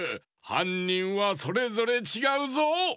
はんにんはそれぞれちがうぞ！